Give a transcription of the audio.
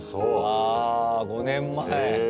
あ５年前。